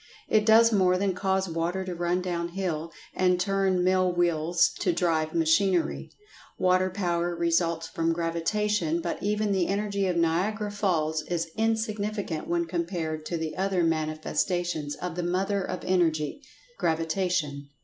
It does more than cause water to run down hill, and turn mill wheels to drive machinery. Water power results from Gravitation, but even the Energy of Niagara Falls is insignificant when compared to the other manifestations of the Mother of Energy—Gravitation.